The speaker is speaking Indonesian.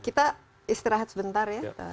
kita istirahat sebentar ya